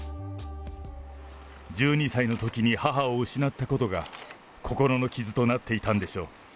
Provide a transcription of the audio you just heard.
１２歳のときに母を失ったことが、心の傷となっていたんでしょう。